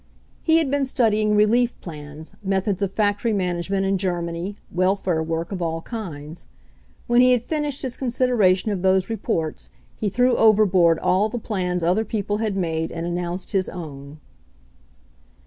He had been studying relief plans, methods of factory management in Germany, welfare work of all kinds. When he had finished his con sideration of those reports he threw overboard all the plans other people had made and an nounced his own.